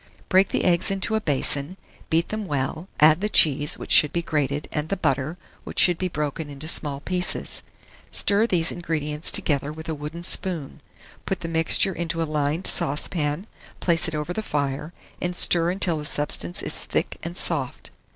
Break the eggs into a basin, beat them well; add the cheese, which should be grated, and the butter, which should be broken into small pieces. Stir these ingredients together with a wooden spoon; put the mixture into a lined saucepan, place it over the fire, and stir until the substance is thick and soft.